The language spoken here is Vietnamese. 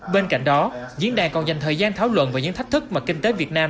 bên cạnh đó diễn đàn còn dành thời gian thảo luận về những thách thức mà kinh tế việt nam